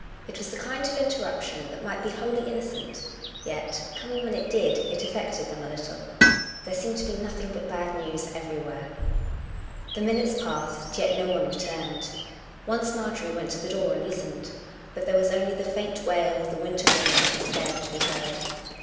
It was the kind of interrup tion that might be wholly innocent; yet, coming when it did, it affected them a little. There seemed to be nothing but bad news everywhere. The minutes passed, yet no one returned. Once Marjorie went to the door and listened, but there was only the faint wail of the winter wind up the stairs to be heard.